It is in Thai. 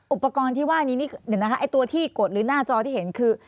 อุปกรณ์ที่ว่านี้นี่เดี๋ยวนะคะไอ้ตัวที่กดหรือหน้าจอที่เห็นคือ